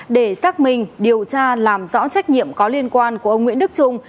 để xác minh điều tra làm rõ trách nhiệm có liên quan của ông nguyễn đức trung